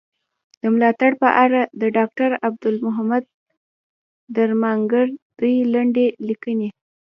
د ملاتړ په اړه د ډاکټر عبدالمحمد درمانګر دوې لنډي ليکني.